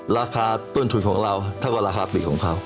ราคาต้นทุนของเราเท่ากับราคาปลีกของเขา